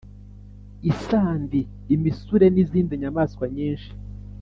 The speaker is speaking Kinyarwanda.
isandi, imisure n'izindi nyamaswa nyinshi